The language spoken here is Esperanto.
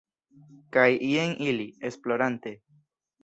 Kaj jen ili, esplorante...